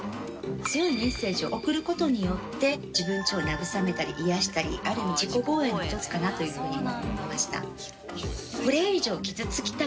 強いメッセージを送る事によって自分自身を慰めたり癒やしたりある意味自己防衛の一つかなというふうにも思いました。